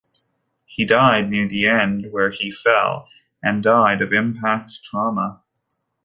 He died near the end where he fell and died of impact trauma.